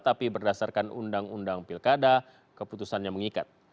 tapi berdasarkan undang undang pilkada keputusannya mengikat